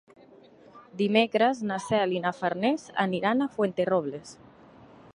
Dimecres na Cel i na Farners aniran a Fuenterrobles.